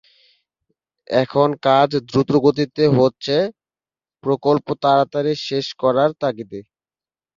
এখন কাজ দ্রুতগতিতে হচ্ছে প্রকল্প তাড়াতাড়ি শেষ করার তাগিদে।